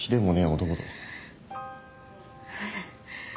男と？